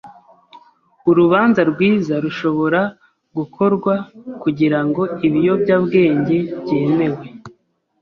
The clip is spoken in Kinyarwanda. Urubanza rwiza rushobora gukorwa kugirango ibiyobyabwenge byemewe.